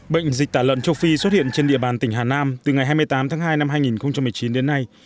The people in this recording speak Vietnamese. bệnh dịch tả lợn châu phi xuất hiện trên địa bàn tỉnh hà nam từ ngày hai mươi tám tháng hai năm hai nghìn một mươi chín đến nay